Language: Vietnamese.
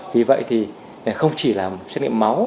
vì vậy thì không chỉ là xét nghiệm máu